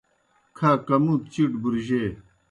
کھا کمُوت چِیٹ بُرجے